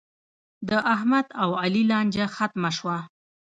د احمد او علي لانجه ختمه شوه.